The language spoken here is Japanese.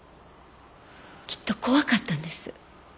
きっと怖かったんです。